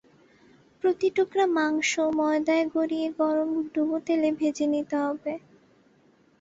প্রতি টুকরা মাংস ময়দায় গড়িয়ে গরম ডুবো তেলে ভেজে নিতে হবে।